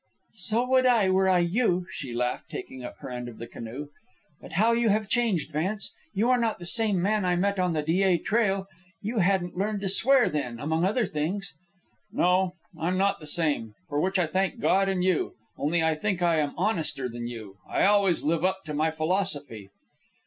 "So would I, were I you," she laughed, taking up her end of the canoe. "But how you have changed, Vance. You are not the same man I met on the Dyea Trail. You hadn't learned to swear, then, among other things." "No, I'm not the same; for which I thank God and you. Only I think I am honester than you. I always live up to my philosophy."